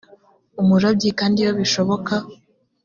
uburobyi kandi iyo bishoboka